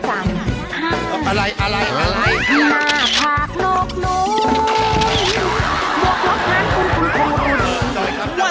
อะไรอะไรอะไรน่าพักนกนุก